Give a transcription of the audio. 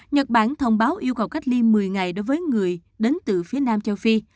nhật bản thông báo yêu cầu cách ly một mươi ngày đối với người đến từ phía nam châu phi